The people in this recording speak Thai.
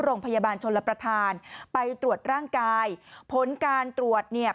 โรงพยาบาลชนรับประทานไปตรวจร่างกายผลการตรวจเนี่ย